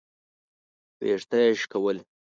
ويښته يې شکول.